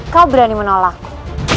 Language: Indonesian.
kau berani menolakku